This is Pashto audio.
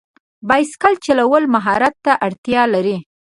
بایسکل چلول مهارت ته اړتیا لري.